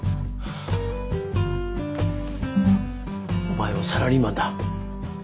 お前もサラリーマンだ。